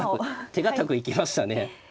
手堅く行きましたね。